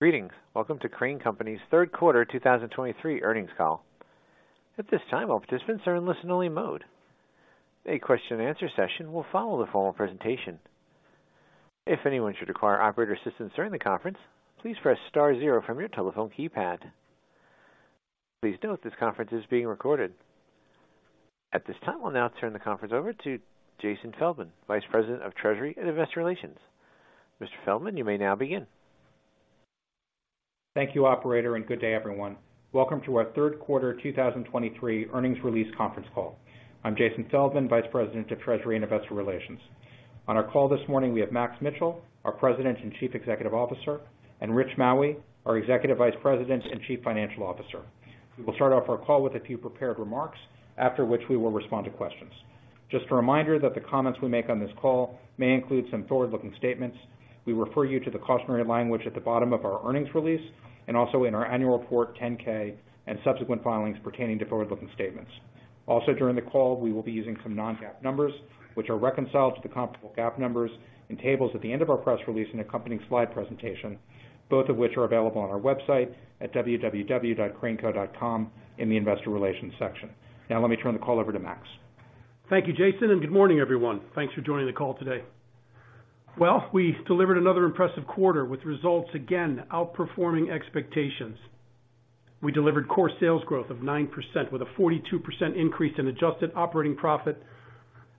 Greetings. Welcome to Crane Company's third quarter 2023 earnings call. At this time, all participants are in listen-only mode. A question and answer session will follow the formal presentation. If anyone should require operator assistance during the conference, please press star zero from your telephone keypad. Please note, this conference is being recorded. At this time, we'll now turn the conference over to Jason Feldman, Vice President of Treasury and Investor Relations. Mr. Feldman, you may now begin. Thank you, operator, and good day, everyone. Welcome to our third quarter 2023 earnings release conference call. I'm Jason Feldman, Vice President of Treasury and Investor Relations. On our call this morning, we have Max Mitchell, our President and Chief Executive Officer, and Rich Maue, our Executive Vice President and Chief Financial Officer. We will start off our call with a few prepared remarks, after which we will respond to questions. Just a reminder that the comments we make on this call may include some forward-looking statements. We refer you to the cautionary language at the bottom of our earnings release and also in our annual report, 10-K, and subsequent filings pertaining to forward-looking statements. Also, during the call, we will be using some non-GAAP numbers, which are reconciled to the comparable GAAP numbers in tables at the end of our press release and accompanying slide presentation, both of which are available on our website at www.craneco.com in the Investor Relations section. Now, let me turn the call over to Max. Thank you, Jason, and good morning, everyone. Thanks for joining the call today. Well, we delivered another impressive quarter with results again, outperforming expectations. We delivered core sales growth of 9%, with a 42% increase in adjusted operating profit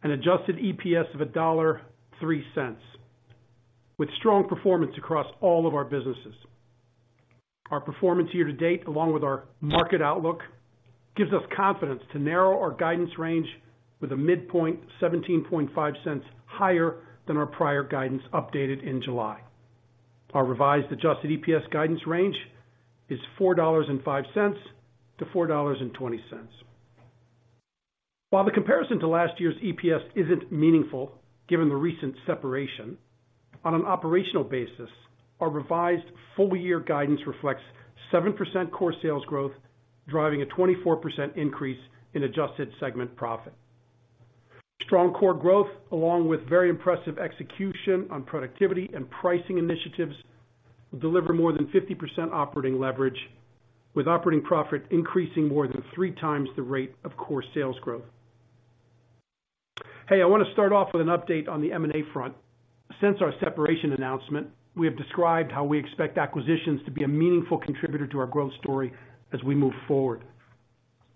and adjusted EPS of $1.03, with strong performance across all of our businesses. Our performance year to date, along with our market outlook, gives us confidence to narrow our guidance range with a midpoint 17.5 cents higher than our prior guidance updated in July. Our revised adjusted EPS guidance range is $4.05-$4.20. While the comparison to last year's EPS isn't meaningful, given the recent separation, on an operational basis, our revised full-year guidance reflects 7% core sales growth, driving a 24% increase in adjusted segment profit. Strong core growth, along with very impressive execution on productivity and pricing initiatives, will deliver more than 50% operating leverage, with operating profit increasing more than three times the rate of core sales growth. Hey, I want to start off with an update on the M&A front. Since our separation announcement, we have described how we expect acquisitions to be a meaningful contributor to our growth story as we move forward.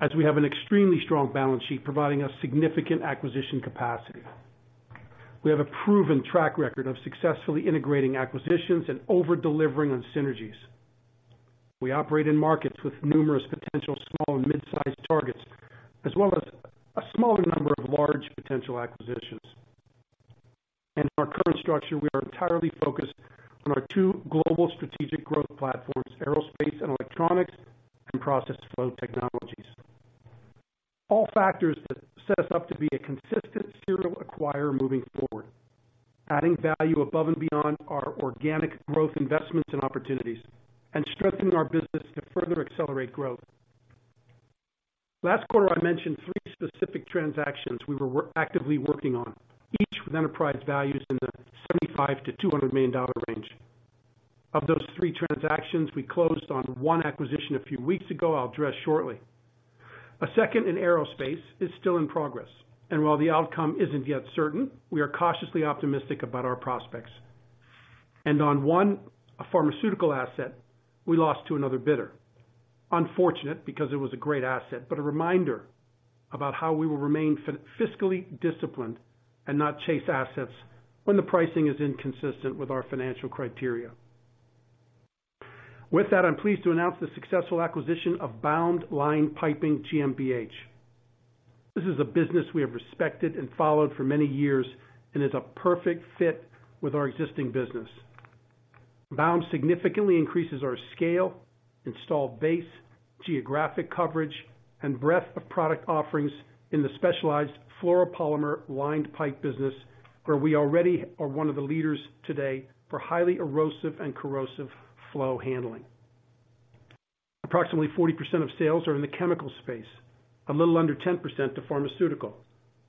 As we have an extremely strong balance sheet, providing us significant acquisition capacity. We have a proven track record of successfully integrating acquisitions and over-delivering on synergies. We operate in markets with numerous potential small and mid-sized targets, as well as a smaller number of large potential acquisitions. In our current structure, we are entirely focused on our two global strategic growth platforms, Aerospace and Electronics, and Process Flow Technologies. All factors that set us up to be a consistent serial acquirer moving forward, adding value above and beyond our organic growth investments and opportunities, and strengthening our business to further accelerate growth. Last quarter, I mentioned three specific transactions we were actively working on, each with enterprise values in the $75 million-$200 million range. Of those three transactions, we closed on one acquisition a few weeks ago. I'll address shortly. A second in aerospace is still in progress, and while the outcome isn't yet certain, we are cautiously optimistic about our prospects. And on one, a pharmaceutical asset, we lost to another bidder. Unfortunate, because it was a great asset, but a reminder about how we will remain fiscally disciplined and not chase assets when the pricing is inconsistent with our financial criteria. With that, I'm pleased to announce the successful acquisition of BAUM Lined piping GmbH. This is a business we have respected and followed for many years and is a perfect fit with our existing business. BAUM significantly increases our scale, install base, geographic coverage, and breadth of product offerings in the specialized fluoropolymer lined pipe business, where we already are one of the leaders today for highly erosive and corrosive flow handling. Approximately 40% of sales are in the chemical space, a little under 10% to pharmaceutical,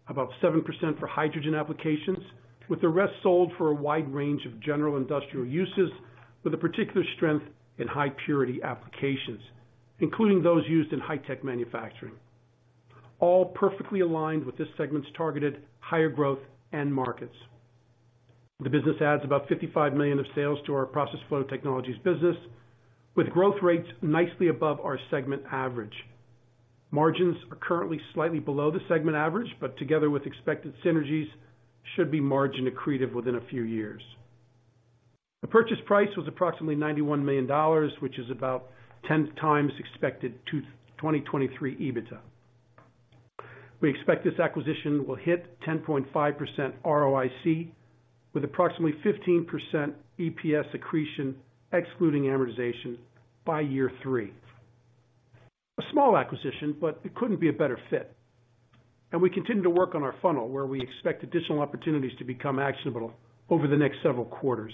about 7% for hydrogen applications, with the rest sold for a wide range of general industrial uses, with a particular strength in high purity applications, including those used in high tech manufacturing. All perfectly aligned with this segment's targeted higher growth end markets. The business adds about 55 million of sales to our Process Flow Technologies business, with growth rates nicely above our segment average. Margins are currently slightly below the segment average, but together with expected synergies, should be margin accretive within a few years. The purchase price was approximately $91 million, which is about 10x expected 2023 EBITDA. We expect this acquisition will hit 10.5% ROIC with approximately 15% EPS accretion, excluding amortization, by year three. A small acquisition, but it couldn't be a better fit, and we continue to work on our funnel, where we expect additional opportunities to become actionable over the next several quarters.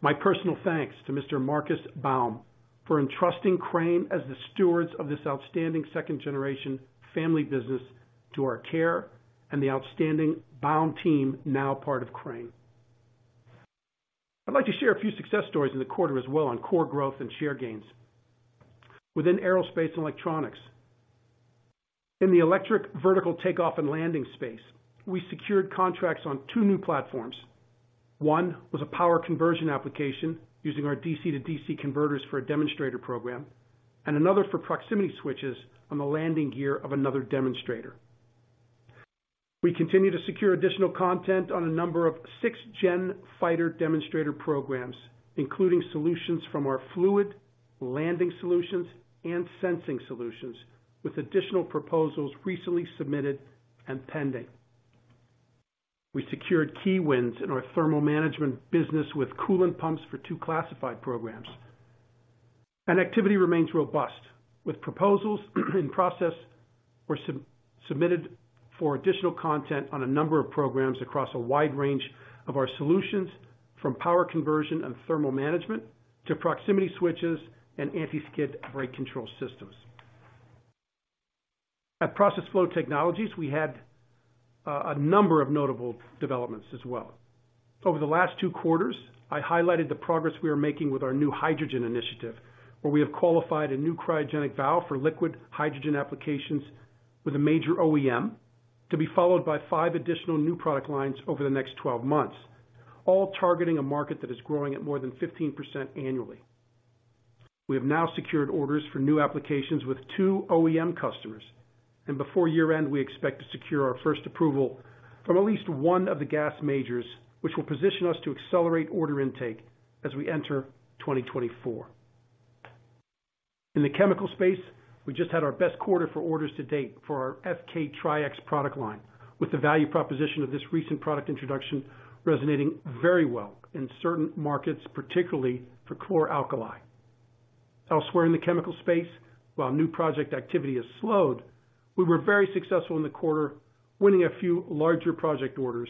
My personal thanks to Mr. Marcus Baum for entrusting Crane as the stewards of this outstanding second-generation family business.... to our care and the outstanding BAUM team, now part of Crane. I'd like to share a few success stories in the quarter as well on core growth and share gains. Within Aerospace and Electronics, in the electric vertical takeoff and landing space, we secured contracts on two new platforms. One was a power conversion application using our DC to DC converters for a demonstrator program, and another for proximity switches on the landing gear of another demonstrator. We continue to secure additional content on a number of sixth-gen fighter demonstrator programs, including solutions from our fluid, landing solutions, and sensing solutions, with additional proposals recently submitted and pending. We secured key wins in our thermal management business with coolant pumps for two classified programs. Activity remains robust, with proposals in process or submitted for additional content on a number of programs across a wide range of our solutions, from power conversion and thermal management to proximity switches and anti-skid brake control systems. At Process Flow Technologies, we had a number of notable developments as well. Over the last two quarters, I highlighted the progress we are making with our new hydrogen initiative, where we have qualified a new cryogenic valve for liquid hydrogen applications with a major OEM, to be followed by five additional new product lines over the next twelve months, all targeting a market that is growing at more than 15% annually. We have now secured orders for new applications with two OEM customers, and before year-end, we expect to secure our first approval from at least one of the gas majors, which will position us to accelerate order intake as we enter 2024. In the chemical space, we just had our best quarter for orders to date for our FK TriEx product line, with the value proposition of this recent product introduction resonating very well in certain markets, particularly for chloralkali. Elsewhere in the chemical space, while new project activity has slowed, we were very successful in the quarter, winning a few larger project orders,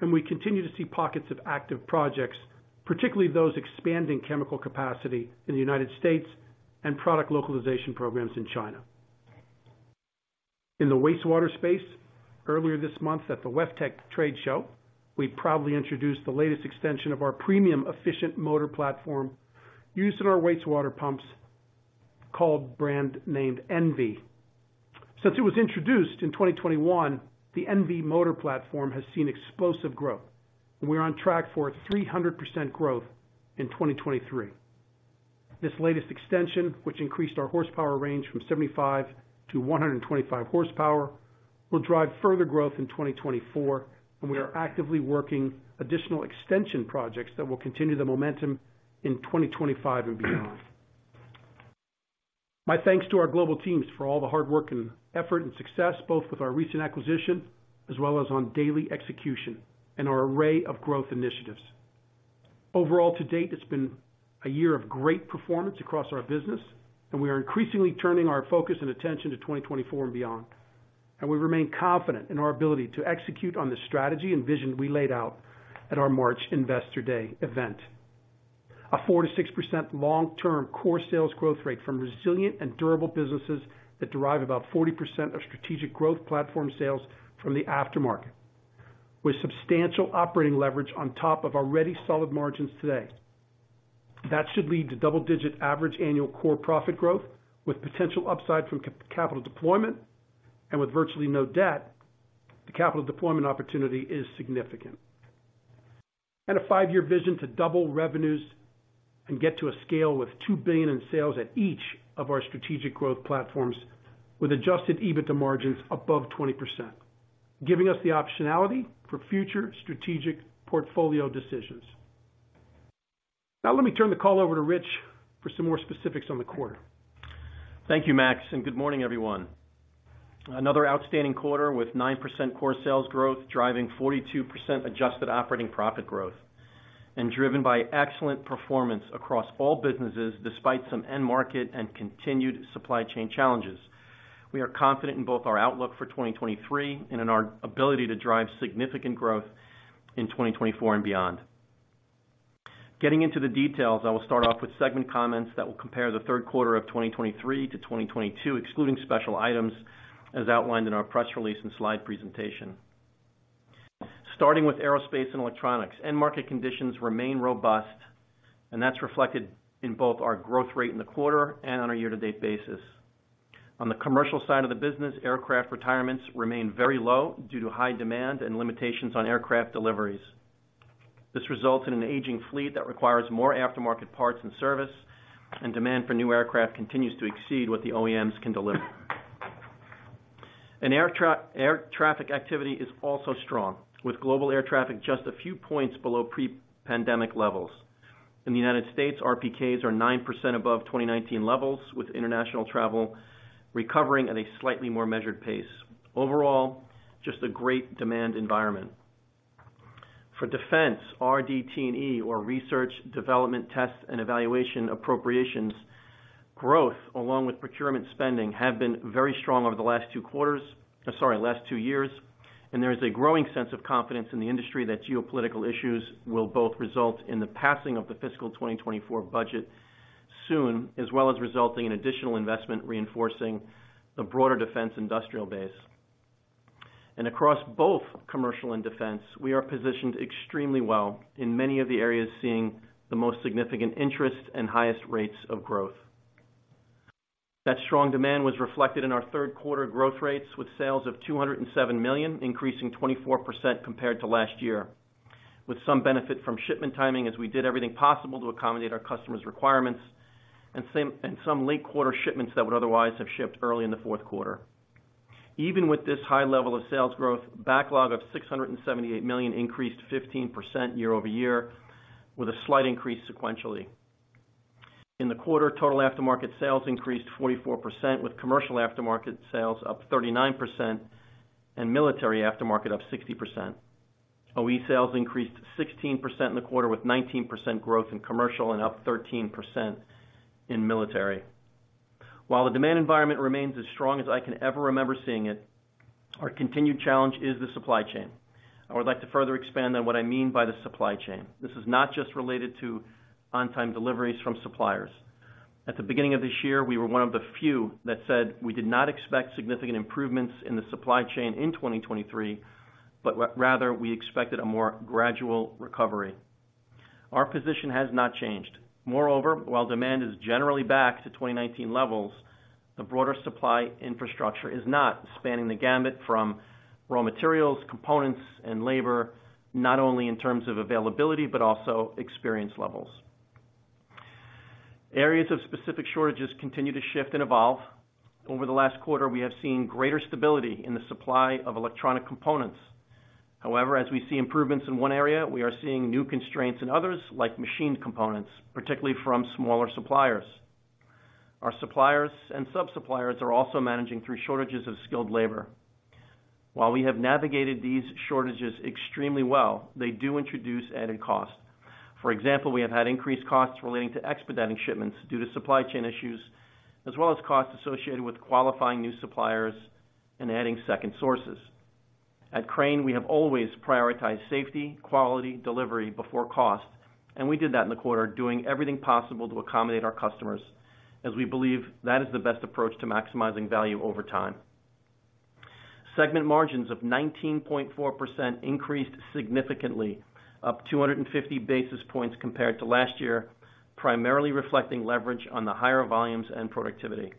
and we continue to see pockets of active projects, particularly those expanding chemical capacity in the United States and product localization programs in China. In the wastewater space, earlier this month at the WEFTEC trade show, we proudly introduced the latest extension of our premium efficient motor platform used in our wastewater pumps, called brand named ENVI. Since it was introduced in 2021, the ENVI motor platform has seen explosive growth, and we're on track for 300% growth in 2023. This latest extension, which increased our horsepower range from 75-125 horsepower, will drive further growth in 2024, and we are actively working additional extension projects that will continue the momentum in 2025 and beyond. My thanks to our global teams for all the hard work and effort and success, both with our recent acquisition as well as on daily execution and our array of growth initiatives. Overall, to date, it's been a year of great performance across our business, and we are increasingly turning our focus and attention to 2024 and beyond. We remain confident in our ability to execute on the strategy and vision we laid out at our March Investor Day event. A 4%-6% long-term core sales growth rate from resilient and durable businesses that derive about 40% of strategic growth platform sales from the aftermarket, with substantial operating leverage on top of already solid margins today. That should lead to double-digit average annual core profit growth, with potential upside from capital deployment, and with virtually no debt, the capital deployment opportunity is significant. A five-year vision to double revenues and get to a scale with $2 billion in sales at each of our strategic growth platforms, with adjusted EBITDA margins above 20%, giving us the optionality for future strategic portfolio decisions. Now, let me turn the call over to Rich for some more specifics on the quarter. Thank you, Max, and good morning, everyone. Another outstanding quarter with 9% core sales growth, driving 42% adjusted operating profit growth, and driven by excellent performance across all businesses, despite some end market and continued supply chain challenges. We are confident in both our outlook for 2023 and in our ability to drive significant growth in 2024 and beyond. Getting into the details, I will start off with segment comments that will compare the third quarter of 2023 to 2022, excluding special items, as outlined in our press release and slide presentation. Starting with Aerospace and Electronics, end market conditions remain robust, and that's reflected in both our growth rate in the quarter and on a year-to-date basis. On the commercial side of the business, aircraft retirements remain very low due to high demand and limitations on aircraft deliveries. This results in an aging fleet that requires more aftermarket parts and service, and demand for new aircraft continues to exceed what the OEMs can deliver. And air traffic activity is also strong, with global air traffic just a few points below pre-pandemic levels. In the United States, RPKs are 9% above 2019 levels, with international travel recovering at a slightly more measured pace. Overall, just a great demand environment. For defense, RDT&E, or Research, Development, Test and Evaluation appropriations, growth, along with procurement spending, have been very strong over the last two quarters - sorry, last two years, and there is a growing sense of confidence in the industry that geopolitical issues will both result in the passing of the fiscal 2024 budget... soon, as well as resulting in additional investment, reinforcing the broader defense industrial base. Across both commercial and defense, we are positioned extremely well in many of the areas, seeing the most significant interest and highest rates of growth. That strong demand was reflected in our third quarter growth rates, with sales of $207 million, increasing 24% compared to last year, with some benefit from shipment timing, as we did everything possible to accommodate our customers' requirements, and some late quarter shipments that would otherwise have shipped early in the fourth quarter. Even with this high level of sales growth, backlog of $678 million increased 15% year-over-year, with a slight increase sequentially. In the quarter, total aftermarket sales increased 44%, with commercial aftermarket sales up 39% and military aftermarket up 60%. OE sales increased 16% in the quarter, with 19% growth in commercial and up 13% in military. While the demand environment remains as strong as I can ever remember seeing it, our continued challenge is the supply chain. I would like to further expand on what I mean by the supply chain. This is not just related to on-time deliveries from suppliers. At the beginning of this year, we were one of the few that said we did not expect significant improvements in the supply chain in 2023, but rather, we expected a more gradual recovery. Our position has not changed. Moreover, while demand is generally back to 2019 levels, the broader supply infrastructure is not spanning the gamut from raw materials, components, and labor, not only in terms of availability, but also experience levels. Areas of specific shortages continue to shift and evolve. Over the last quarter, we have seen greater stability in the supply of electronic components. However, as we see improvements in one area, we are seeing new constraints in others, like machined components, particularly from smaller suppliers. Our suppliers and sub-suppliers are also managing through shortages of skilled labor. While we have navigated these shortages extremely well, they do introduce added costs. For example, we have had increased costs relating to expediting shipments due to supply chain issues, as well as costs associated with qualifying new suppliers and adding second sources. At Crane, we have always prioritized safety, quality, delivery before cost, and we did that in the quarter, doing everything possible to accommodate our customers, as we believe that is the best approach to maximizing value over time. Segment margins of 19.4% increased significantly, up 250 basis points compared to last year, primarily reflecting leverage on the higher volumes and productivity.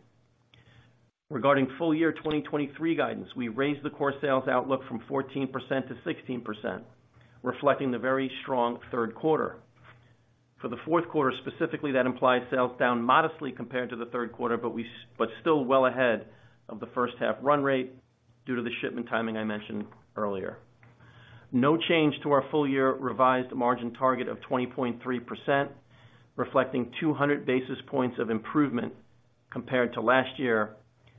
Regarding full year 2023 guidance, we raised the core sales outlook from 14% to 16%, reflecting the very strong third quarter. For the fourth quarter, specifically, that implies sales down modestly compared to the third quarter, but we still well ahead of the first half run rate due to the shipment timing I mentioned earlier. No change to our full year revised margin target of 20.3%, reflecting 200 basis points of improvement compared to last year,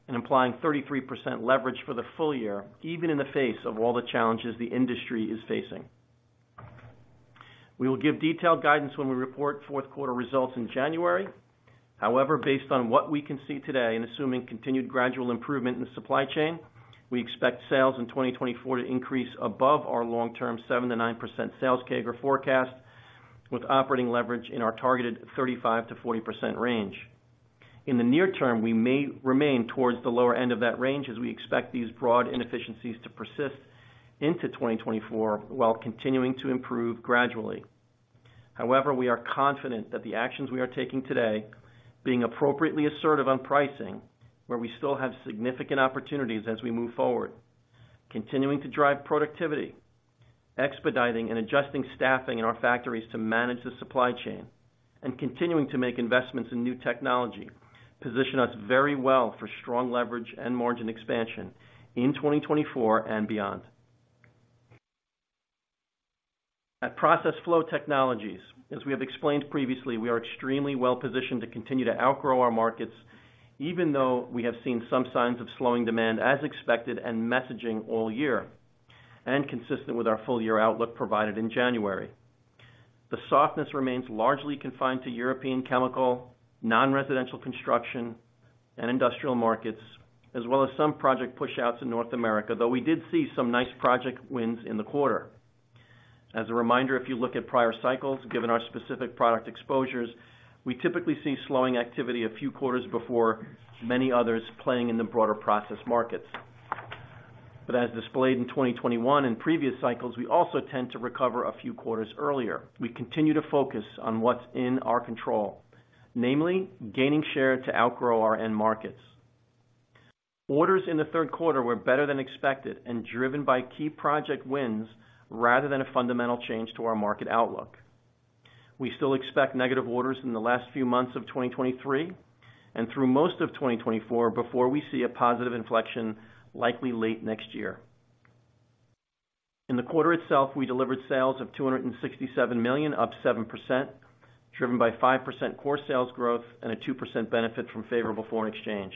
and implying 33% leverage for the full year, even in the face of all the challenges the industry is facing. We will give detailed guidance when we report fourth quarter results in January. However, based on what we can see today, and assuming continued gradual improvement in the supply chain, we expect sales in 2024 to increase above our long-term 7%-9% sales CAGR forecast, with operating leverage in our targeted 35%-40% range. In the near term, we may remain towards the lower end of that range as we expect these broad inefficiencies to persist into 2024, while continuing to improve gradually. However, we are confident that the actions we are taking today, being appropriately assertive on pricing, where we still have significant opportunities as we move forward, continuing to drive productivity, expediting and adjusting staffing in our factories to manage the supply chain, and continuing to make investments in new technology, position us very well for strong leverage and margin expansion in 2024 and beyond. At Process Flow Technologies, as we have explained previously, we are extremely well positioned to continue to outgrow our markets, even though we have seen some signs of slowing demand, as expected, and messaging all year, and consistent with our full year outlook provided in January. The softness remains largely confined to European chemical, non-residential construction, and industrial markets, as well as some project pushouts in North America, though we did see some nice project wins in the quarter. As a reminder, if you look at prior cycles, given our specific product exposures, we typically see slowing activity a few quarters before many others playing in the broader process markets. But as displayed in 2021 and previous cycles, we also tend to recover a few quarters earlier. We continue to focus on what's in our control, namely, gaining share to outgrow our end markets. Orders in the third quarter were better than expected and driven by key project wins rather than a fundamental change to our market outlook. We still expect negative orders in the last few months of 2023 and through most of 2024, before we see a positive inflection, likely late next year. In the quarter itself, we delivered sales of $267 million, up 7%, driven by 5% core sales growth and a 2% benefit from favorable foreign exchange.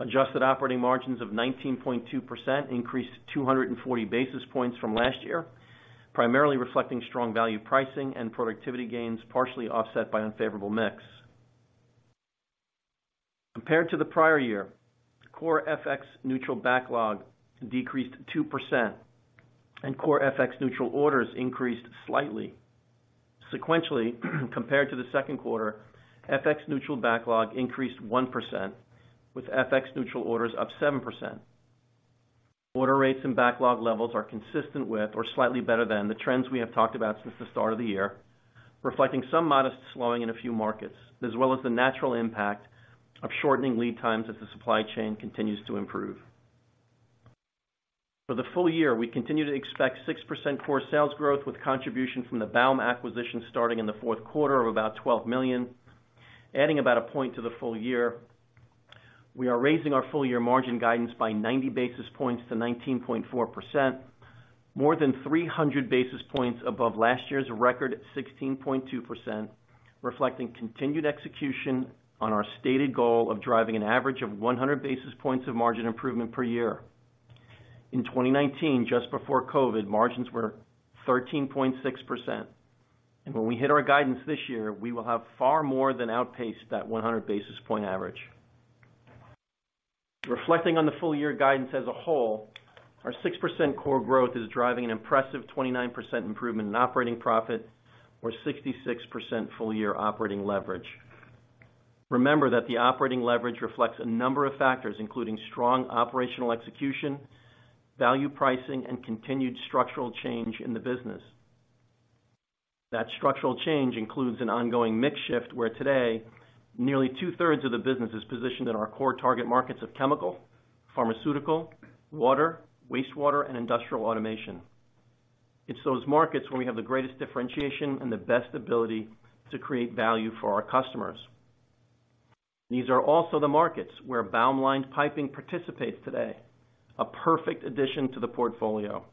Adjusted operating margins of 19.2% increased 240 basis points from last year, primarily reflecting strong value pricing and productivity gains, partially offset by unfavorable mix. Compared to the prior year, core FX neutral backlog decreased 2%, and core FX neutral orders increased slightly. Sequentially, compared to the second quarter, FX neutral backlog increased 1%, with FX neutral orders up 7%. Order rates and backlog levels are consistent with or slightly better than the trends we have talked about since the start of the year, reflecting some modest slowing in a few markets, as well as the natural impact of shortening lead times as the supply chain continues to improve. For the full year, we continue to expect 6% core sales growth, with contribution from the Baum acquisition starting in the fourth quarter of about $12 million, adding about 1% to the full year. We are raising our full-year margin guidance by 90 basis points to 19.4%, more than 300 basis points above last year's record, 16.2%, reflecting continued execution on our stated goal of driving an average of 100 basis points of margin improvement per year. In 2019, just before COVID, margins were 13.6%, and when we hit our guidance this year, we will have far more than outpaced that 100 basis point average. Reflecting on the full-year guidance as a whole, our 6% core growth is driving an impressive 29% improvement in operating profit, or 66% full-year operating leverage. Remember that the operating leverage reflects a number of factors, including strong operational execution, value pricing, and continued structural change in the business. That structural change includes an ongoing mix shift, where today, nearly two-thirds of the business is positioned in our core target markets of chemical, pharmaceutical, water, wastewater, and industrial automation. It's those markets where we have the greatest differentiation and the best ability to create value for our customers. These are also the markets where BAUM lined piping participates today, a perfect addition to the portfolio.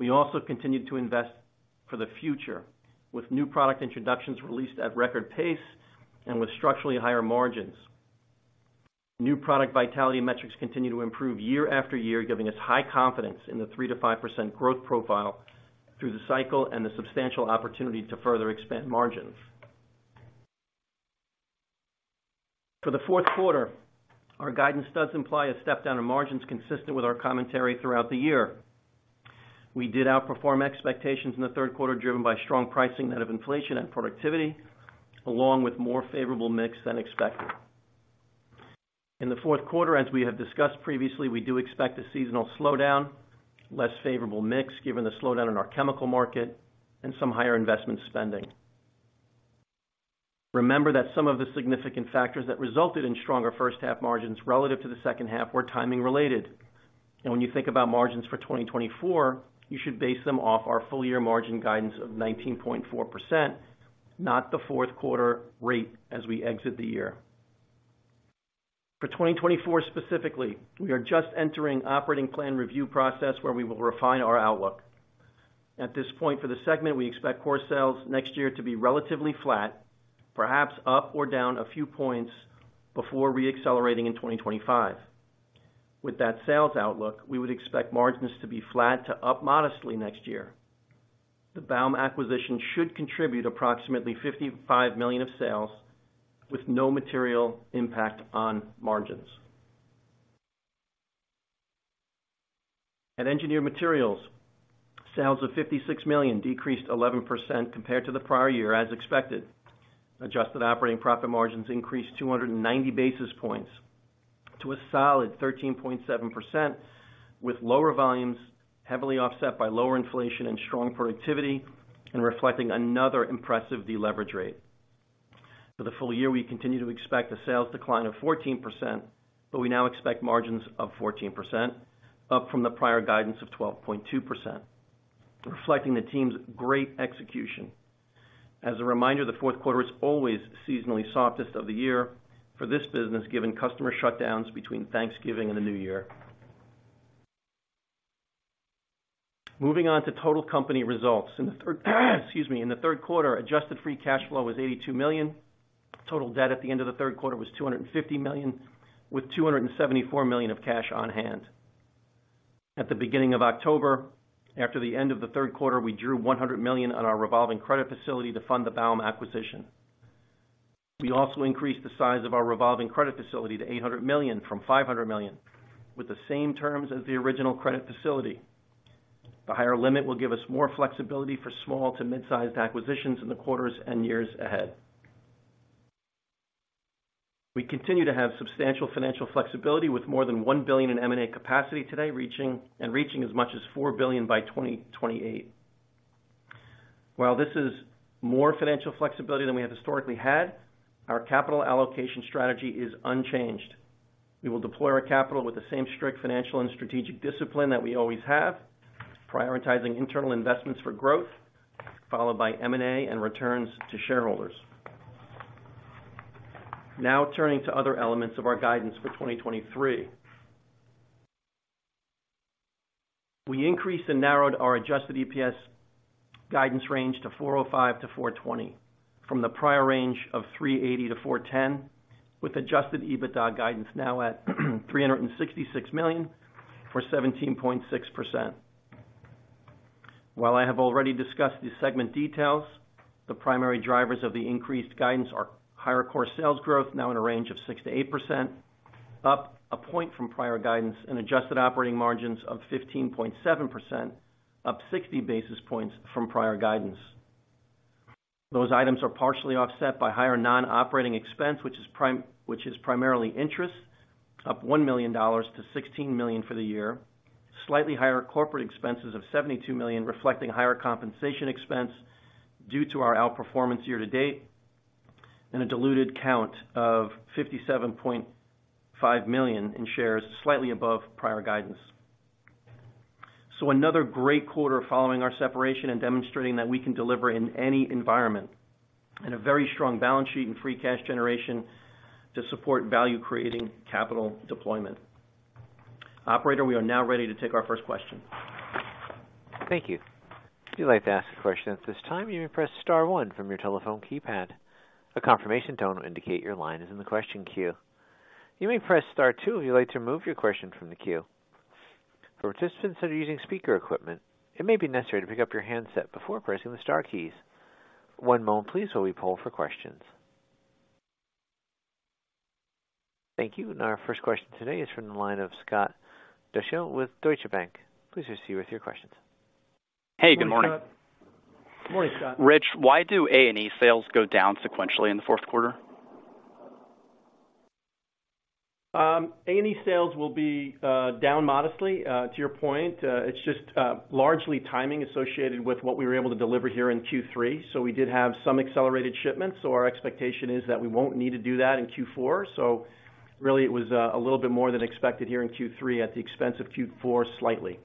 We also continued to invest for the future, with new product introductions released at record pace and with structurally higher margins. New product vitality metrics continue to improve year after year, giving us high confidence in the 3%-5% growth profile through the cycle and the substantial opportunity to further expand margins. For the fourth quarter, our guidance does imply a step down in margins consistent with our commentary throughout the year. We did outperform expectations in the third quarter, driven by strong pricing net of inflation and productivity, along with more favorable mix than expected. In the fourth quarter, as we have discussed previously, we do expect a seasonal slowdown, less favorable mix, given the slowdown in our chemical market and some higher investment spending. Remember that some of the significant factors that resulted in stronger first half margins relative to the second half were timing related. And when you think about margins for 2024, you should base them off our full year margin guidance of 19.4%, not the fourth quarter rate as we exit the year. For 2024, specifically, we are just entering operating plan review process, where we will refine our outlook. At this point, for the segment, we expect core sales next year to be relatively flat, perhaps up or down a few points before re-accelerating in 2025. With that sales outlook, we would expect margins to be flat to up modestly next year. The Baum acquisition should contribute approximately $55 million of sales, with no material impact on margins. At Engineered Materials, sales of $56 million decreased 11% compared to the prior year, as expected. Adjusted operating profit margins increased 290 basis points to a solid 13.7%, with lower volumes heavily offset by lower inflation and strong productivity, and reflecting another impressive deleverage rate. For the full year, we continue to expect a sales decline of 14%, but we now expect margins of 14%, up from the prior guidance of 12.2%, reflecting the team's great execution. As a reminder, the fourth quarter is always seasonally softest of the year for this business, given customer shutdowns between Thanksgiving and the New Year. Moving on to total company results. In the third, excuse me, in the third quarter, adjusted free cash flow was $82 million. Total debt at the end of the third quarter was $250 million, with $274 million of cash on hand. At the beginning of October, after the end of the third quarter, we drew $100 million on our revolving credit facility to fund the Baum acquisition. We also increased the size of our revolving credit facility to $800 million from $500 million, with the same terms as the original credit facility. The higher limit will give us more flexibility for small to mid-sized acquisitions in the quarters and years ahead. We continue to have substantial financial flexibility, with more than $1 billion in M&A capacity today, reaching as much as $4 billion by 2028. While this is more financial flexibility than we have historically had, our capital allocation strategy is unchanged. We will deploy our capital with the same strict financial and strategic discipline that we always have, prioritizing internal investments for growth, followed by M&A and returns to shareholders. Now, turning to other elements of our guidance for 2023. We increased and narrowed our adjusted EPS guidance range to 405-420, from the prior range of 380-410, with adjusted EBITDA guidance now at $366 million, or 17.6%. While I have already discussed the segment details, the primary drivers of the increased guidance are higher core sales growth, now in a range of 6%-8%, up a point from prior guidance, and adjusted operating margins of 15.7%, up 60 basis points from prior guidance. Those items are partially offset by higher non-operating expense, which is primarily interest, up $1 million to $16 million for the year, slightly higher corporate expenses of $72 million, reflecting higher compensation expense due to our outperformance year to date, and a diluted count of 57.5 million shares, slightly above prior guidance. So another great quarter following our separation and demonstrating that we can deliver in any environment, and a very strong balance sheet and free cash generation to support value-creating capital deployment. Operator, we are now ready to take our first question. Thank you. If you'd like to ask a question at this time, you may press star one from your telephone keypad. A confirmation tone will indicate your line is in the question queue. You may press star two if you'd like to remove your question from the queue. For participants that are using speaker equipment, it may be necessary to pick up your handset before pressing the star keys. One moment please, while we poll for questions. Thank you. Our first question today is from the line of Scott Dechele with Deutsche Bank. Please proceed with your questions. Hey, good morning. Good morning, Scott. Rich, why do A&E sales go down sequentially in the fourth quarter? A&E sales will be down modestly to your point. It's just largely timing associated with what we were able to deliver here in Q3. So we did have some accelerated shipments, so our expectation is that we won't need to do that in Q4. So really, it was a little bit more than expected here in Q3, at the expense of Q4, slightly.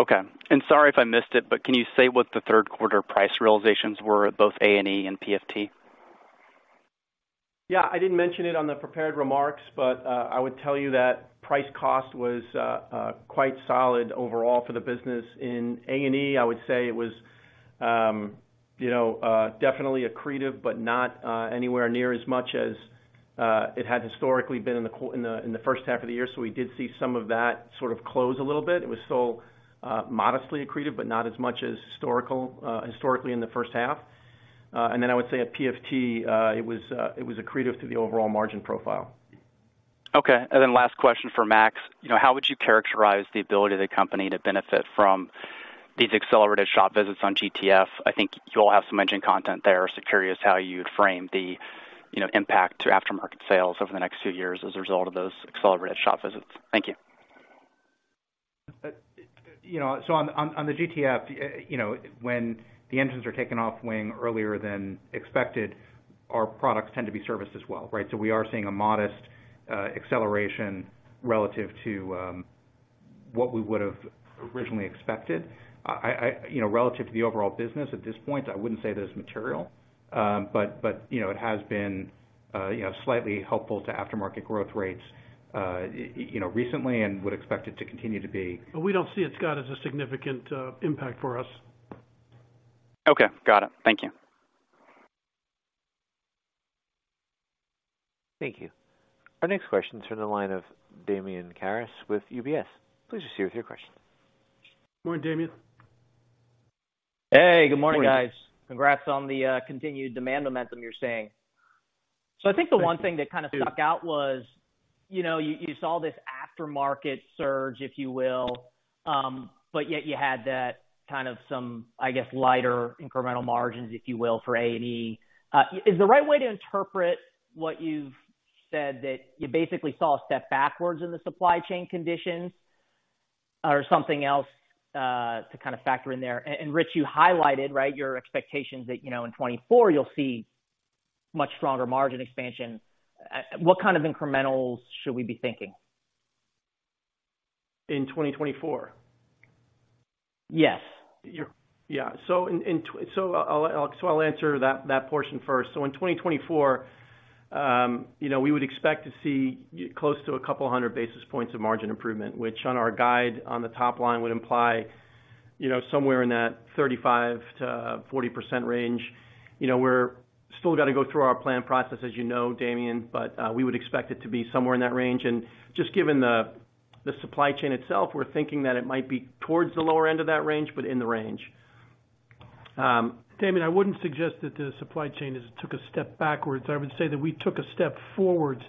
Okay. Sorry if I missed it, but can you say what the third quarter price realizations were at both A&E and PFT? Yeah, I didn't mention it on the prepared remarks, but I would tell you that price cost was quite solid overall for the business. In A&E, I would say it was, you know, definitely accretive, but not anywhere near as much as it had historically been in the first half of the year. So we did see some of that sort of close a little bit. It was still modestly accretive, but not as much as historical, historically in the first half. And then I would say at PFT, it was accretive to the overall margin profile. Okay, and then last question for Max. You know, how would you characterize the ability of the company to benefit from these accelerated shop visits on GTF? I think you all have some engine content there, so curious how you'd frame the, you know, impact to aftermarket sales over the next few years as a result of those accelerated shop visits. Thank you. You know, so on the GTF, you know, when the engines are taken off wing earlier than expected, our products tend to be serviced as well, right? So we are seeing a modest acceleration relative to what we would have originally expected. I, you know, relative to the overall business at this point, I wouldn't say that it's material, but, you know, it has been, you know, slightly helpful to aftermarket growth rates, you know, recently, and would expect it to continue to be. But we don't see it, Scott, as a significant impact for us. Okay, got it. Thank you. Thank you. Our next question is from the line of Damian Karas with UBS. Please proceed with your question. Good morning, Damian. Hey, good morning, guys. Congrats on the continued demand momentum you're seeing. Thank you. So I think the one thing that kind of stuck out was, you know, you, you saw this aftermarket surge, if you will, but yet you had that kind of some, I guess, lighter incremental margins, if you will, for A&E. Is the right way to interpret what you've said, that you basically saw a step backwards in the supply chain conditions or something else to kind of factor in there? And Rich, you highlighted, right, your expectations that, you know, in 2024 you'll see much stronger margin expansion. What kind of incrementals should we be thinking? In 2024? Yes. Yeah. So I'll answer that portion first. So in 2024, you know, we would expect to see close to 200 basis points of margin improvement, which on our guide on the top line, would imply, you know, somewhere in that 35%-40% range. You know, we're still got to go through our planning process, as you know, Damian, but we would expect it to be somewhere in that range. And just given the supply chain itself, we're thinking that it might be towards the lower end of that range, but in the range. Damian, I wouldn't suggest that the supply chain has took a step backwards. I would say that we took a step forwards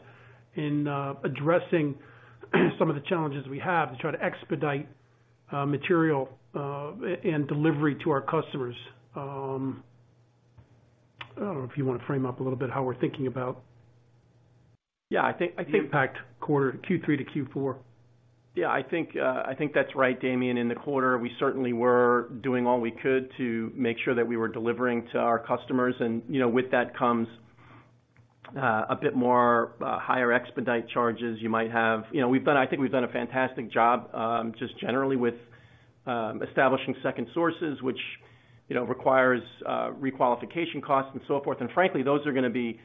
in addressing some of the challenges we have to try to expedite material and delivery to our customers. I don't know if you want to frame up a little bit how we're thinking about. Yeah, I think. The impact quarter, Q3 to Q4. Yeah, I think, I think that's right, Damian. In the quarter, we certainly were doing all we could to make sure that we were delivering to our customers. And, you know, with that comes, a bit more, higher expedite charges you might have. You know, we've done. I think we've done a fantastic job, just generally with, establishing second sources, which, you know, requires, requalification costs and so forth. And frankly, those are going to be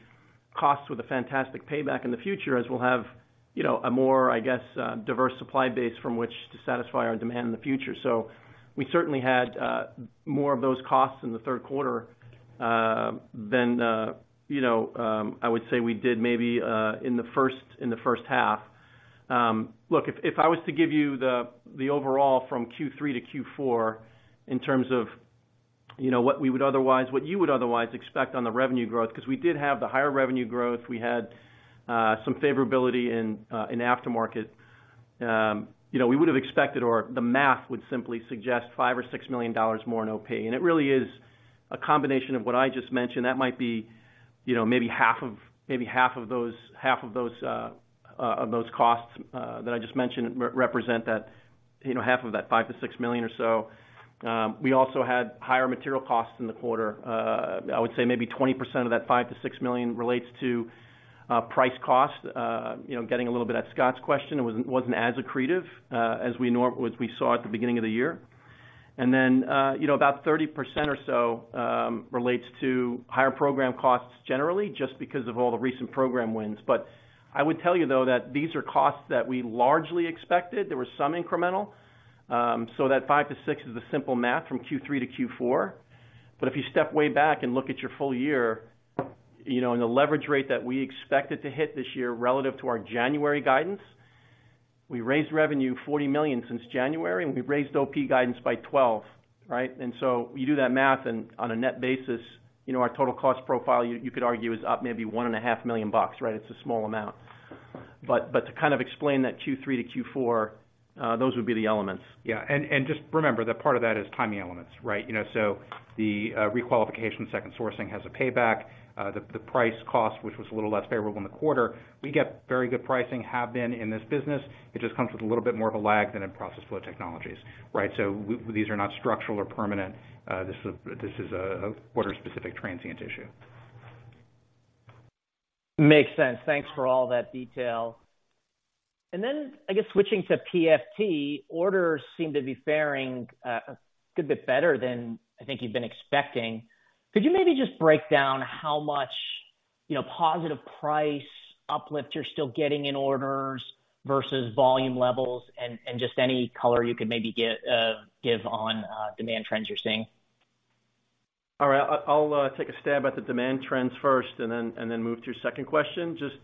costs with a fantastic payback in the future, as we'll have, you know, a more, I guess, diverse supply base from which to satisfy our demand in the future. So we certainly had, more of those costs in the third quarter, than, you know, I would say we did maybe, in the first, in the first half. Look, if, if I was to give you the overall from Q3 to Q4 in terms of, you know, what we would otherwise, what you would otherwise expect on the revenue growth, 'cause we did have the higher revenue growth, we had some favorability in aftermarket. You know, we would've expected or the math would simply suggest $5 million-$6 million more in OP. And it really is a combination of what I just mentioned. That might be, you know, maybe half of those costs that I just mentioned represent that, you know, half of that $5 million-$6 million or so. We also had higher material costs in the quarter. I would say maybe 20% of that $5 million-$6 million relates to price cost. You know, getting a little bit at Scott's question, it wasn't as accretive as we saw at the beginning of the year. And then, you know, about 30% or so relates to higher program costs, generally, just because of all the recent program wins. But I would tell you, though, that these are costs that we largely expected. There were some incremental. So that 5-6 is a simple math from Q3 to Q4. But if you step way back and look at your full year, you know, and the leverage rate that we expected to hit this year relative to our January guidance, we raised revenue $40 million since January, and we've raised OP guidance by $12 million, right? And so you do that math, and on a net basis, you know, our total cost profile, you could argue, is up maybe $1.5 million, right? It's a small amount. But to kind of explain that Q3 to Q4, those would be the elements. Yeah, and just remember that part of that is timing elements, right? You know, so the requalification second sourcing has a payback. The price cost, which was a little less favorable in the quarter, we get very good pricing, have been in this business. It just comes with a little bit more of a lag than in Process Flow Technologies, right? So these are not structural or permanent. This is a quarter-specific transient issue. Makes sense. Thanks for all that detail. And then, I guess, switching to PFT, orders seem to be faring a good bit better than I think you've been expecting. Could you maybe just break down how much, you know, positive price uplift you're still getting in orders versus volume levels, and, and just any color you could maybe give give on demand trends you're seeing? All right. I'll take a stab at the demand trends first and then move to your second question. Just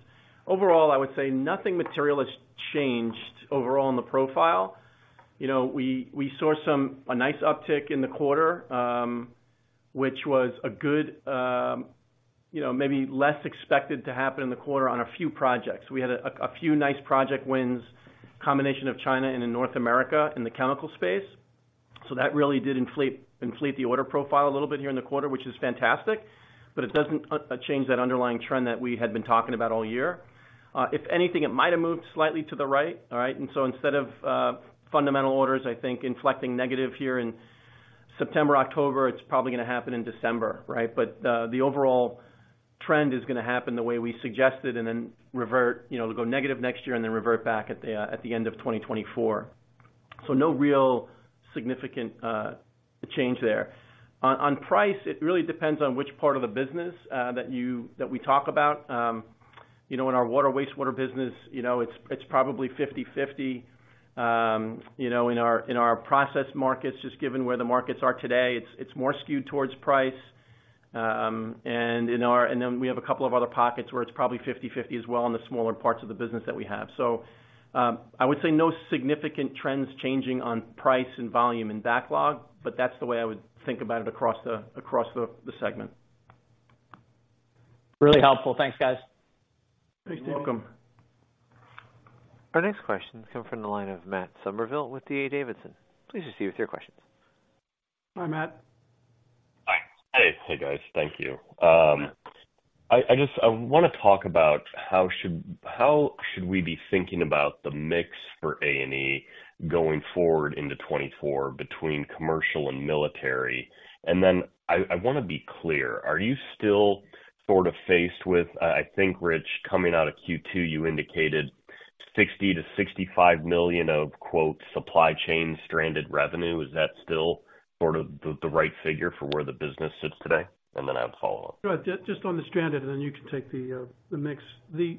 overall, I would say nothing material has changed overall in the profile. You know, we saw some. A nice uptick in the quarter, which was a good, you know, maybe less expected to happen in the quarter on a few projects. We had a few nice project wins, combination of China and in North America in the chemical space, so that really did inflate the order profile a little bit here in the quarter, which is fantastic, but it doesn't change that underlying trend that we had been talking about all year. If anything, it might have moved slightly to the right, all right? And so instead of fundamental orders, I think, inflecting negative here in September, October, it's probably going to happen in December, right? But the overall trend is going to happen the way we suggested, and then revert, you know, go negative next year and then revert back at the end of 2024. So no real significant change there. On price, it really depends on which part of the business that we talk about. You know, in our water, wastewater business, you know, it's probably 50/50. You know, in our process markets, just given where the markets are today, it's more skewed towards price. And then we have a couple of other pockets where it's probably 50/50 as well, in the smaller parts of the business that we have. I would say no significant trends changing on price and volume and backlog, but that's the way I would think about it across the segment. Really helpful. Thanks, guys. Thanks. You're welcome. Our next question come from the line of Matt Summerville with D.A. Davidson. Please proceed with your questions. Hi, Matt. Hi. Hey, guys. Thank you. I just want to talk about how we should be thinking about the mix for A&E going forward into 2024, between commercial and military? And then, I want to be clear, are you still sort of faced with, I think, Rich, coming out of Q2, you indicated $60 million-$65 million of, quote, "supply chain stranded revenue." Is that still sort of the right figure for where the business sits today? And then I'll follow up. Yeah, just, just on the stranded, and then you can take the, the mix. The...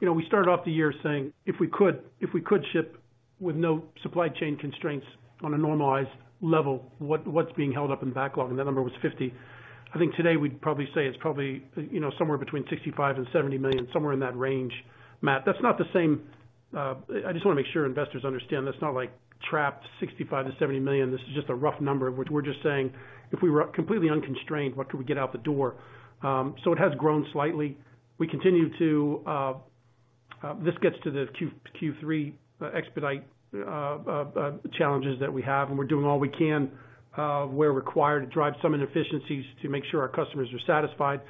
You know, we started off the year saying, if we could, if we could ship with no supply chain constraints on a normalized level, what, what's being held up in backlog? And that number was 50. I think today we'd probably say it's probably, you know, somewhere between $65 million and $70 million, somewhere in that range, Matt. That's not the same, I just want to make sure investors understand, that's not like trapped $65-$70 million. This is just a rough number, which we're just saying, if we were completely unconstrained, what could we get out the door? So it has grown slightly. We continue to. This gets to the Q3 expedite challenges that we have, and we're doing all we can, where required, to drive some inefficiencies to make sure our customers are satisfied.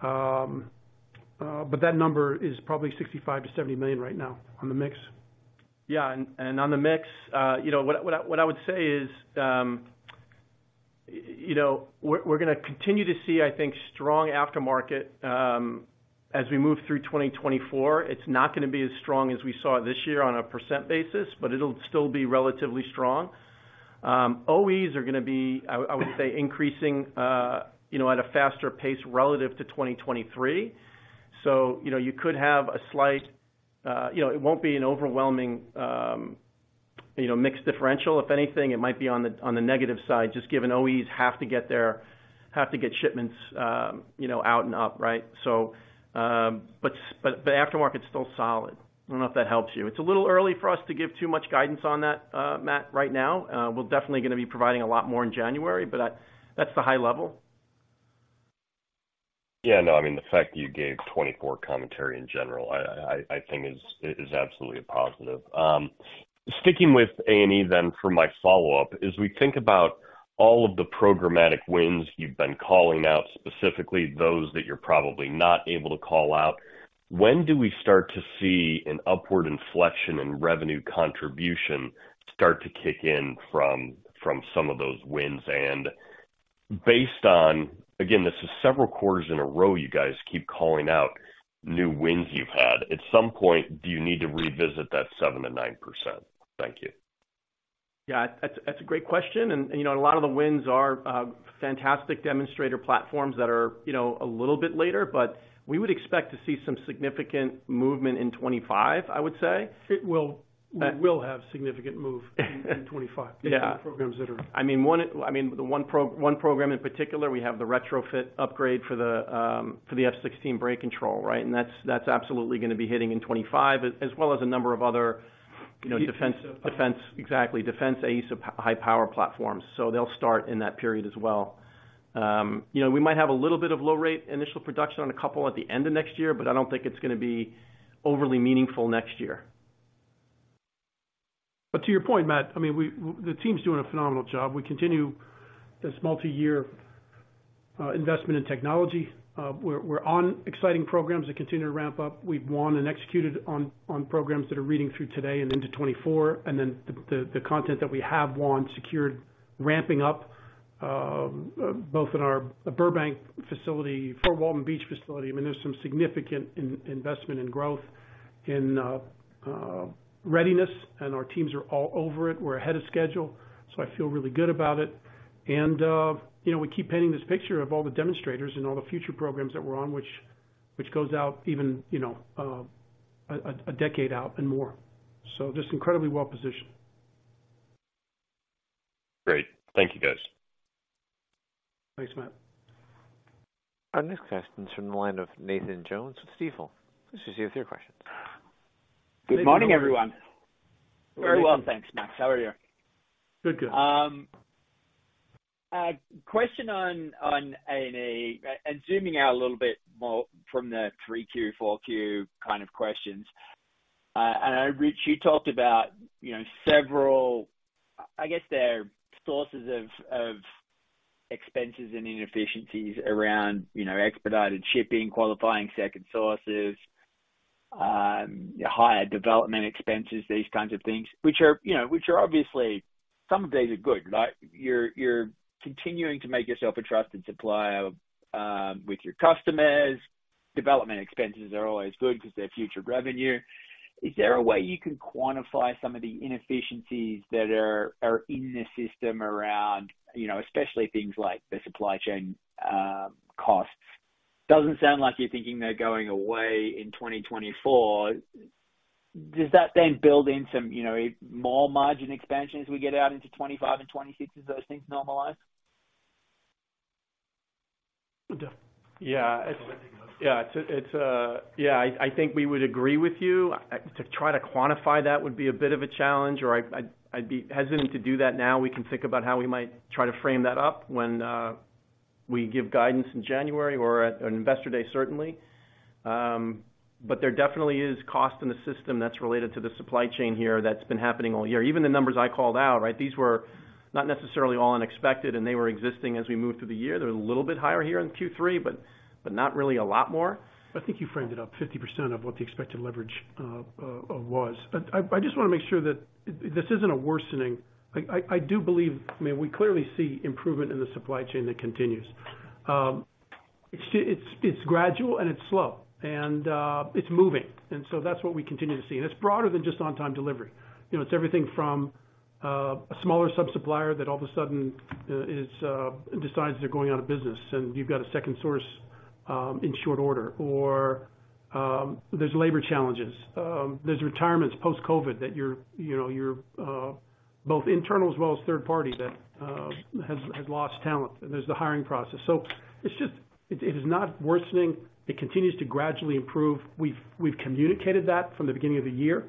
But that number is probably $65 million-$70 million right now on the mix. Yeah, and on the mix, you know, what I would say is, you know, we're going to continue to see, I think, strong aftermarket. As we move through 2024, it's not going to be as strong as we saw this year on a % basis, but it'll still be relatively strong. OEs are going to be, I would say, increasing, you know, at a faster pace relative to 2023. So, you know, you could have a slight. You know, it won't be an overwhelming. you know, mixed differential, if anything, it might be on the negative side, just given OEs have to get their shipments, you know, out and up, right? So, but aftermarket's still solid. I don't know if that helps you. It's a little early for us to give too much guidance on that, Matt, right now. We're definitely going to be providing a lot more in January, but that, that's the high level. Yeah, no, I mean, the fact you gave 24 commentary in general, I think is absolutely a positive. Sticking with A&E then for my follow-up, as we think about all of the programmatic wins you've been calling out, specifically those that you're probably not able to call out, when do we start to see an upward inflection in revenue contribution start to kick in from some of those wins? And based on, again, this is several quarters in a row, you guys keep calling out new wins you've had. At some point, do you need to revisit that 7%-9%? Thank you. Yeah, that's, that's a great question. And, you know, a lot of the wins are fantastic demonstrator platforms that are, you know, a little bit later, but we would expect to see some significant movement in 2025, I would say. It will. We will have significant move in 2025. Yeah. Programs that are. I mean, the one program in particular, we have the retrofit upgrade for the F-16 brake control, right? And that's absolutely going to be hitting in 2025, as well as a number of other, you know, defense- AESA. Exactly. Defense AESA high power platforms. So they'll start in that period as well. You know, we might have a little bit of low rate initial production on a couple at the end of next year, but I don't think it's going to be overly meaningful next year. But to your point, Matt, I mean, we, the team's doing a phenomenal job. We continue this multiyear investment in technology. We're on exciting programs that continue to ramp up. We've won and executed on programs that are reading through today and into 2024, and then the content that we have won, secured, ramping up, both in our Burbank facility, Fort Walton Beach facility. I mean, there's some significant investment and growth in readiness, and our teams are all over it. We're ahead of schedule, so I feel really good about it. And, you know, we keep painting this picture of all the demonstrators and all the future programs that we're on, which goes out even, you know, a decade out and more. So just incredibly well positioned. Great. Thank you, guys. Thanks, Matt. Our next question is from the line of Nathan Jones with Stifel. This is you with your questions. Good morning, everyone. Very well, thanks, Matt. How are you? Good. Good. A question on A&E, and zooming out a little bit more from the 3Q, 4Q kind of questions. I know, Rich, you talked about, you know, several. I guess there are sources of expenses and inefficiencies around, you know, expedited shipping, qualifying second sources, higher development expenses, these kinds of things, which are, you know, which are obviously some of these are good, like, you're continuing to make yourself a trusted supplier with your customers. Development expenses are always good because they're future revenue. Is there a way you can quantify some of the inefficiencies that are in the system around, you know, especially things like the supply chain costs? Doesn't sound like you're thinking they're going away in 2024. Does that then build in some, you know, more margin expansion as we get out into 2025 and 2026 as those things normalize? Yeah, I think we would agree with you. To try to quantify that would be a bit of a challenge, or I'd be hesitant to do that now. We can think about how we might try to frame that up when we give guidance in January or at an Investor Day, certainly. But there definitely is cost in the system that's related to the supply chain here that's been happening all year. Even the numbers I called out, right, these were not necessarily all unexpected, and they were existing as we moved through the year. They're a little bit higher here in Q3, but not really a lot more. I think you framed it up 50% of what the expected leverage was. I just want to make sure that this isn't a worsening. I do believe, I mean, we clearly see improvement in the supply chain that continues. It's gradual and it's slow, and it's moving, and so that's what we continue to see. And it's broader than just on time delivery. You know, it's everything from a smaller sub-supplier that all of a sudden decides they're going out of business, and you've got a second source in short order, or there's labor challenges. There's retirements post-COVID that you're, you know, you're both internal as well as third party, that has lost talent, and there's the hiring process. So it's just it is not worsening. It continues to gradually improve. We've communicated that from the beginning of the year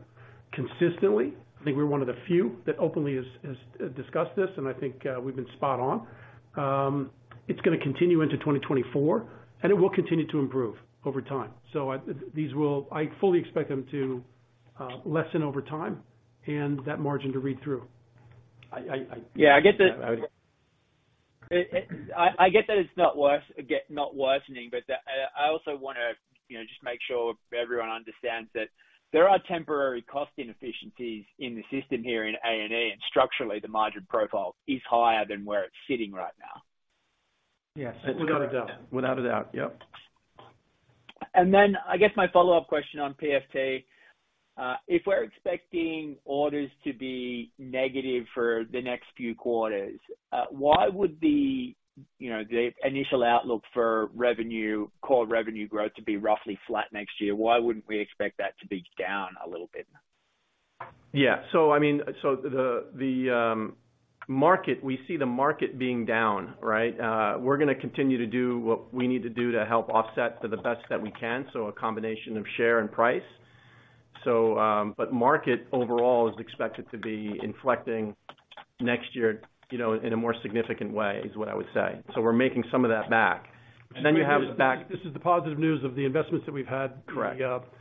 consistently. I think we're one of the few that openly has discussed this, and I think we've been spot on. It's going to continue into 2024, and it will continue to improve over time. These will. I fully expect them to lessen over time and that margin to read through. Yeah, I get that. I get that it's not worse, not worsening, but I also want to, you know, just make sure everyone understands that there are temporary cost inefficiencies in the system here in A&E, and structurally, the margin profile is higher than where it's sitting right now. Yes, without a doubt. Without a doubt. Yep. Then I guess my follow-up question on PFT. If we're expecting orders to be negative for the next few quarters, why would, you know, the initial outlook for revenue, core revenue growth to be roughly flat next year? Why wouldn't we expect that to be down a little bit? Yeah. So I mean, so the market, we see the market being down, right? We're going to continue to do what we need to do to help offset to the best that we can, so a combination of share and price. So, but market overall is expected to be inflecting next year, you know, in a more significant way, is what I would say. So we're making some of that back. Then you have back- This is the positive news of the investments that we've had. Correct. New product,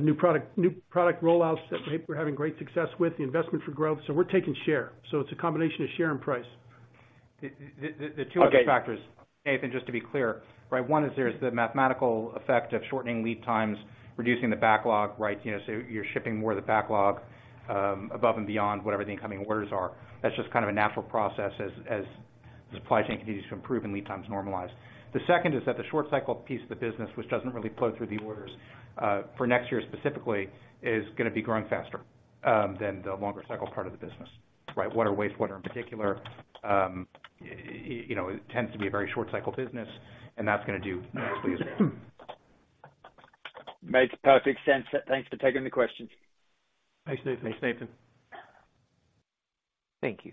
new product rollouts that we're having great success with, the investment for growth. So we're taking share. So it's a combination of share and price. The two factors, Nathan, just to be clear, right? One is there's the mathematical effect of shortening lead times, reducing the backlog, right? You know, so you're shipping more of the backlog, above and beyond whatever the incoming orders are. That's just kind of a natural process as the supply chain continues to improve and lead times normalize. The second is that the short cycle piece of the business, which doesn't really flow through the orders, for next year specifically, is going to be growing faster, than the longer cycle part of the business, right? Water, wastewater in particular, you know, it tends to be a very short cycle business, and that's going to do nicely as well. Makes perfect sense. Thanks for taking the question. Thanks, Nathan. Thanks, Nathan. Thank you.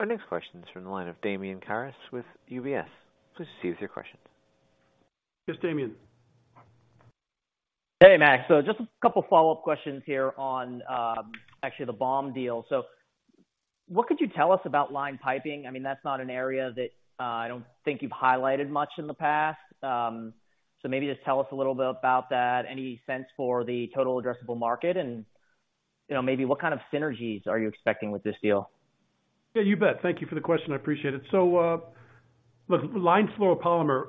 Our next question is from the line of Damian Karas with UBS. Please see your questions. Yes, Damian. Hey, Max. So just a couple follow-up questions here on actually the BAUM deal. So what could you tell us about lined piping? I mean, that's not an area that I don't think you've highlighted much in the past. So maybe just tell us a little bit about that. Any sense for the total addressable market? And, you know, maybe what kind of synergies are you expecting with this deal? Yeah, you bet. Thank you for the question, I appreciate it. Look, lined fluoropolymer,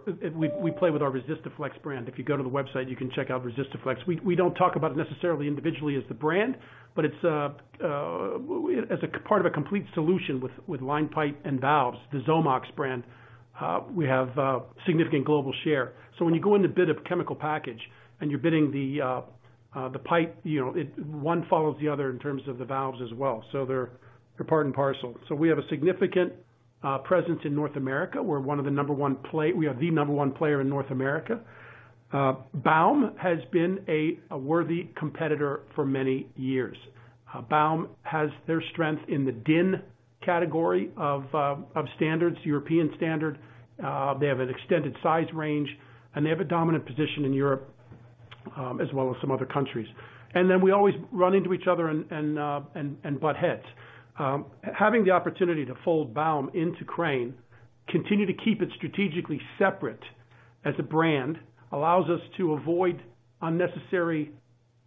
we play with our ResistiFlex brand. If you go to the website, you can check out ResistiFlex. We don't talk about it necessarily individually as the brand, but it's as a part of a complete solution with lined pipe and valves, the Xomox brand. We have significant global share. When you go in to bid a chemical package and you're bidding the pipe, you know, one follows the other in terms of the valves as well, so they're part and parcel. We have a significant presence in North America. We're the number one player in North America. Baum has been a worthy competitor for many years. Baum has their strength in the DIN category of standards, European standard. They have an extended size range, and they have a dominant position in Europe, as well as some other countries. And then we always run into each other and butt heads. Having the opportunity to fold Baum into Crane, continue to keep it strategically separate as a brand, allows us to avoid unnecessary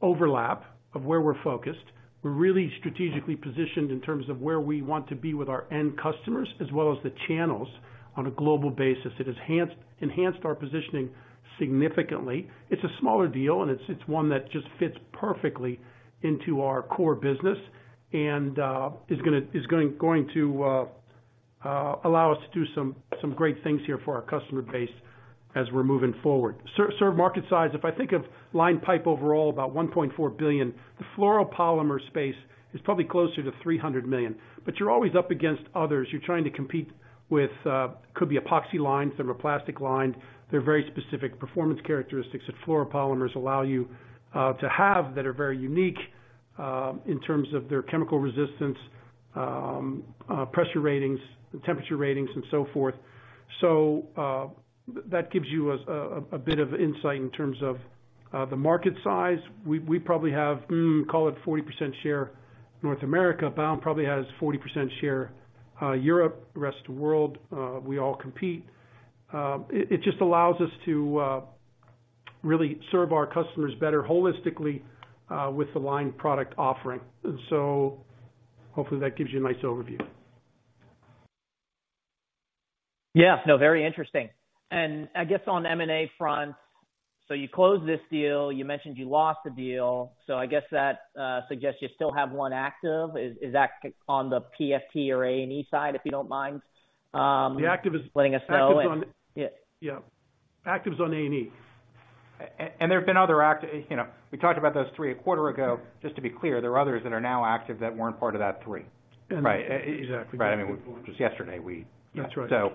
overlap of where we're focused. We're really strategically positioned in terms of where we want to be with our end customers, as well as the channels on a global basis. It enhanced our positioning significantly. It's a smaller deal, and it's one that just fits perfectly into our core business and is going to allow us to do some great things here for our customer base as we're moving forward. Sir, market size, if I think of line pipe overall, about $1.4 billion. The fluoropolymer space is probably closer to $300 million, but you're always up against others. You're trying to compete with could be epoxy lined, thermoplastic lined. They're very specific performance characteristics that fluoropolymers allow you to have that are very unique in terms of their chemical resistance, pressure ratings, temperature ratings, and so forth. So that gives you a bit of insight in terms of the market size. We probably have call it 40% share North America. Baum probably has 40% share, Europe. The rest of the world, we all compete. It just allows us to really serve our customers better holistically, with the line product offering. So hopefully that gives you a nice overview. Yeah. No, very interesting. And I guess on M&A front, so you closed this deal, you mentioned you lost a deal, so I guess that suggests you still have one active. Is that on the PFT or A&E side, if you don't mind? The active is. Letting us know? Yeah. Active is on A&E. There have been other active. You know, we talked about those three a quarter ago. Just to be clear, there are others that are now active that weren't part of that three. Right, exactly. Right. I mean, just yesterday, we- That's right. So,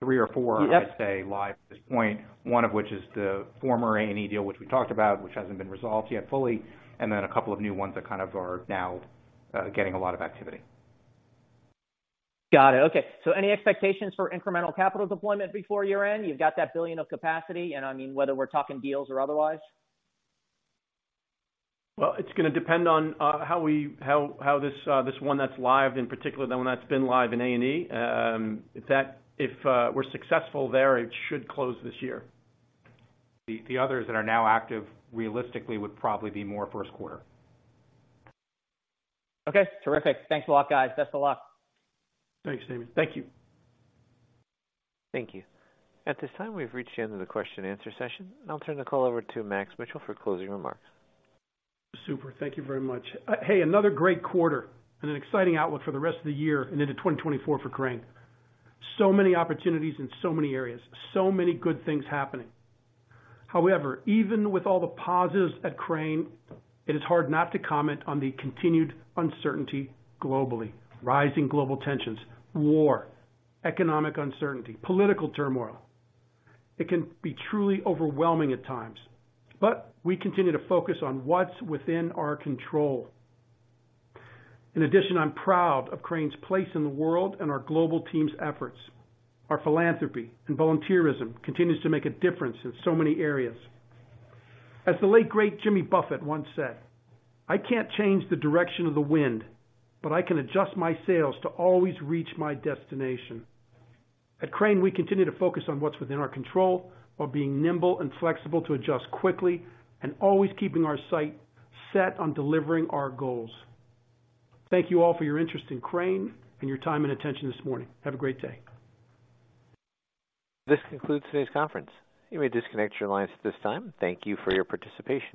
three or four. Yep I'd say, live at this point, one of which is the former A&E deal, which we talked about, which hasn't been resolved yet fully, and then a couple of new ones that kind of are now getting a lot of activity. Got it. Okay. So any expectations for incremental capital deployment before year-end? You've got that $1 billion of capacity, and I mean, whether we're talking deals or otherwise. Well, it's going to depend on how this one that's live, in particular, the one that's been live in A&E. If we're successful there, it should close this year. The others that are now active, realistically, would probably be more first quarter. Okay. Terrific. Thanks a lot, guys. Best of luck. Thanks, Damian. Thank you. Thank you. At this time, we've reached the end of the question and answer session. I'll turn the call over to Max Mitchell for closing remarks. Super. Thank you very much. Hey, another great quarter and an exciting outlook for the rest of the year and into 2024 for Crane. So many opportunities in so many areas, so many good things happening. However, even with all the positives at Crane, it is hard not to comment on the continued uncertainty globally. Rising global tensions, war, economic uncertainty, political turmoil. It can be truly overwhelming at times, but we continue to focus on what's within our control. In addition, I'm proud of Crane's place in the world and our global team's efforts. Our philanthropy and volunteerism continues to make a difference in so many areas. As the late great Jimmy Buffett once said, "I can't change the direction of the wind, but I can adjust my sails to always reach my destination." At Crane, we continue to focus on what's within our control, while being nimble and flexible to adjust quickly and always keeping our sight set on delivering our goals. Thank you all for your interest in Crane and your time and attention this morning. Have a great day. This concludes today's conference. You may disconnect your lines at this time. Thank you for your participation.